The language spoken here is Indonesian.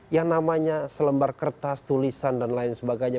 yang namanya selembar kertas tulisan dan lain sebagainya